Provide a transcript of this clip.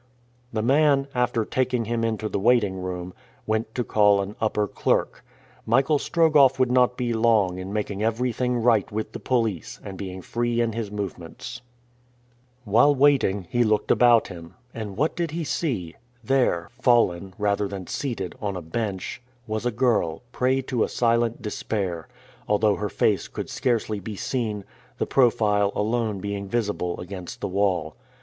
The man, after taking him into the waiting room, went to call an upper clerk. Michael Strogoff would not be long in making everything right with the police and being free in his movements. Whilst waiting, he looked about him, and what did he see? There, fallen, rather than seated, on a bench, was a girl, prey to a silent despair, although her face could scarcely be seen, the profile alone being visible against the wall.